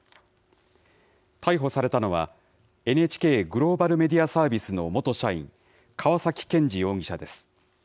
逮捕されたのは、ＮＨＫグローバルメディアサービスの元社員、川崎健治容疑者です。